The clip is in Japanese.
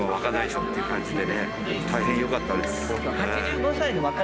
大変良かったです。